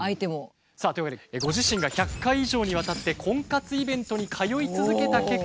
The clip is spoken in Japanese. さあというわけでご自身が１００回以上にわたって婚活イベントに通い続けた結果